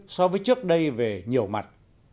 so với trước đây về nhiều mặt